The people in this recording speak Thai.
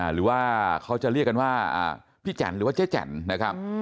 หรือว่าเขาจะเรียกกันว่าพี่แจ๋นหรือว่าเจ๊แจ่นนะครับ